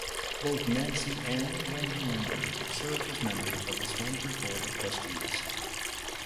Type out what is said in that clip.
Both Nancy and Wendy Munger served as members of the Stanford board of trustees.